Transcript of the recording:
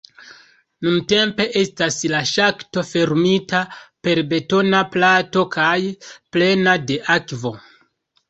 Nuntempe estas la ŝakto fermita per betona plato kaj plena de akvo.